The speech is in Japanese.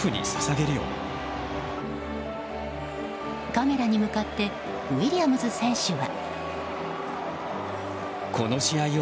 カメラに向かってウィリアムズ選手は。